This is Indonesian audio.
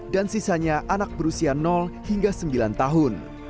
dan sisanya anak berusia hingga sembilan tahun